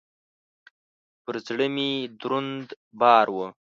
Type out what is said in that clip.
پر زړه مي دروند بار و .